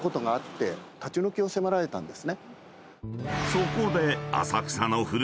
［そこで］